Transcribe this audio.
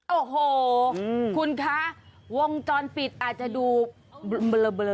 โอ้โหคุณคะวงจรปิดอาจจะดูเบลอ